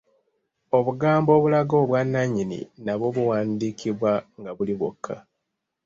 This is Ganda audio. Obugambo obulaga obwannannyini nabwo buwandiikibwa nga buli bwokka.